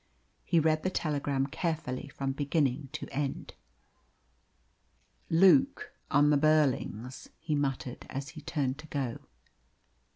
He read the telegram carefully from beginning to end. "Luke on the Burlings!" he muttered, as he turned to go.